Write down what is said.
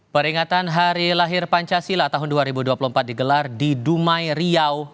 peringatan hari lahir pancasila tahun dua ribu dua puluh empat digelar di dumai riau